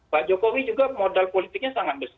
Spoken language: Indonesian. pak jokowi juga modal politiknya sangat besar